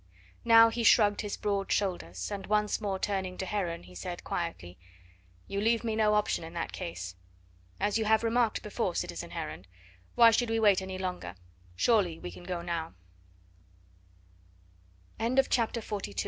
Now he shrugged his broad shoulders, and once more turning to Heron he said quietly: "You leave me no option in that case. As you have remarked before, citizen Heron, why should we wait any longer? Surely we can now go." CHAPTER XLIII. THE DREARY JOURNEY Rain! Rai